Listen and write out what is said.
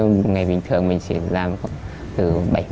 ngày bình thường mình chỉ làm từ bảy mươi đến một trăm linh cái